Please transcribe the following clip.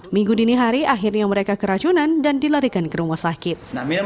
minggu dini hari akhirnya mereka keracunan dan dilarikan ke rumah sakit